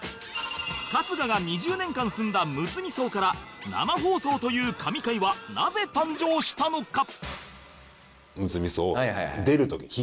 春日が２０年間住んだむつみ荘から生放送という神回はなぜ誕生したのか？